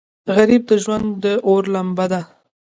غریب د ژوند د اور لمبه ده